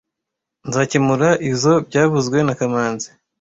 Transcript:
Nzakemura izoi byavuzwe na kamanzi